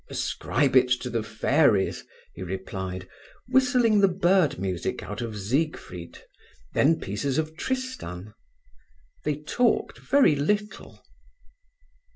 "Ascribe it to the fairies," he replied, whistling the bird music out of Siegfried, then pieces of Tristan. They talked very little.